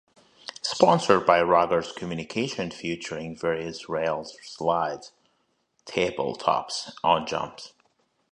Sponsored by Rogers Communications, featuring various rail slides, table tops, and jumps.